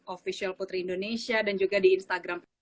official putri indonesia dan juga di instagram